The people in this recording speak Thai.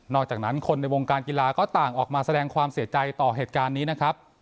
อกจากนั้นคนในวงการกีฬาก็ต่างออกมาแสดงความเสียใจต่อเหตุการณ์นี้นะครับ